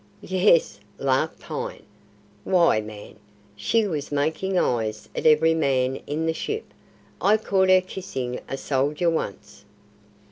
"Yes!" laughed Pine. "Why, man, she was making eyes at every man in the ship! I caught her kissing a soldier once."